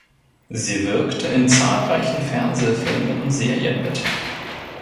Sie wirkte in zahlreichen Fernsehfilmen und Serien mit.